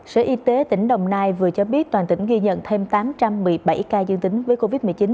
sở y tế tỉnh đồng nai vừa cho biết toàn tỉnh ghi nhận thêm tám trăm một mươi bảy ca dương tính với covid một mươi chín